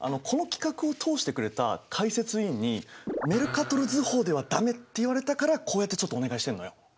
この企画を通してくれた解説委員に「メルカトル図法ではダメ！」って言われたからこうやってちょっとお願いしてんのよ。